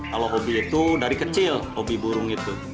kalau hobi itu dari kecil hobi burung itu